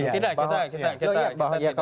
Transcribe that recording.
tidak kita tidak